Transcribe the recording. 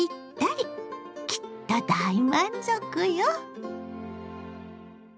きっと大満足よ。